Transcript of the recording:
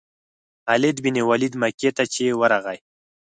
خالد بن ولید مکې ته چې ورغی.